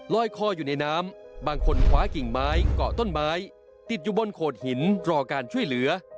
คออยู่ในน้ำบางคนคว้ากิ่งไม้เกาะต้นไม้ติดอยู่บนโขดหินรอการช่วยเหลือ